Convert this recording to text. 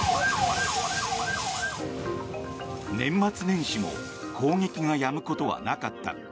年末年始も攻撃がやむことはなかった。